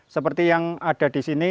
seperti yang ada di sini